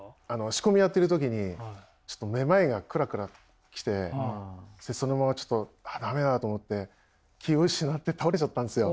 仕込みやってる時にちょっとめまいがクラクラきてそのままちょっと駄目だと思って気を失って倒れちゃったんですよ。